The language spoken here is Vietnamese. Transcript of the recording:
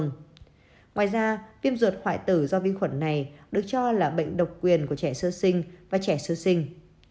ngoài ra viêm ruột hoại tử do viêm khuẩn này được cho là bệnh độc quyền của trẻ sữa sinh và trẻ sữa sinh